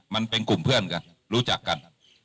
มันเป็นกลุ่มเพื่อนกันรู้จักกัน